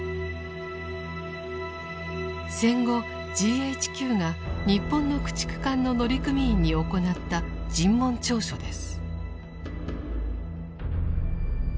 戦後ＧＨＱが日本の駆逐艦の乗組員に行った尋問調書です。